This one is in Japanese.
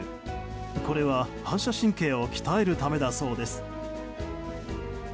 これは反射神経を鍛えるためだそうです。